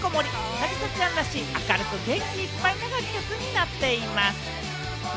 凪咲ちゃんらしい、明るく元気いっぱいな楽曲になっています。